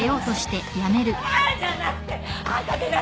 じゃなくてあんた出なさいよ。